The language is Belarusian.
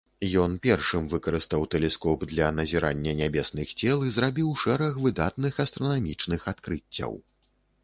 Ён першым выкарыстаў тэлескоп для назірання нябесных цел і зрабіў шэраг выдатных астранамічных адкрыццяў.